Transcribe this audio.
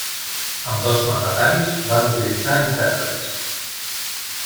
Ambdós mandataris van utilitzar intèrprets.